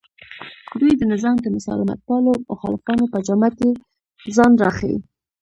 دوی د نظام د مسالمتپالو مخالفانو په جامه کې ځان راښیي